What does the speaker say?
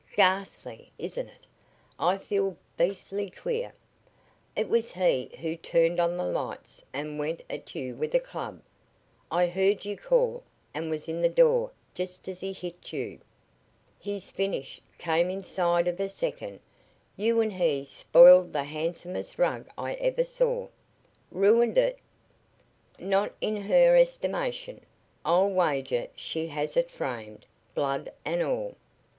Ghastly, isn't it? I feel beastly queer. It was he who turned on the lights and went at you with a club. I heard you call, and was in the door just as he hit you. His finish came inside of a second. You and he spoiled the handsomest rug I ever saw." "Ruined it?" "Not in her estimation. I'll wager she has it framed, blood and all.